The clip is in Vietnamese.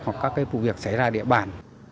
hoặc các vụ việc xảy ra địa bàn